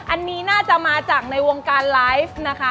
อันนี้น่าจะมาจากในวงการไลฟ์นะคะ